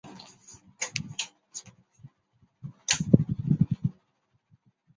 但此居住的是一批全新的动植物。